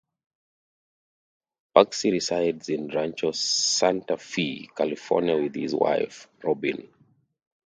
Parsky resides in Rancho Santa Fe, California with his wife, Robin.